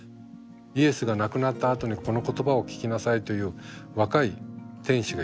イエスが亡くなったあとに「この言葉を聞きなさい」という若い天使がいた。